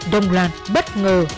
đông loạt bất ngờ